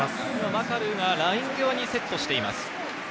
マカルーがライン際にセットしています。